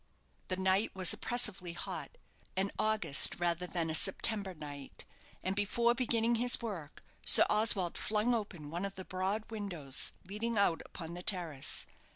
The night was oppressively hot an August rather than a September night; and, before beginning his work, Sir Oswald flung open one of the broad windows leading out upon the terrace.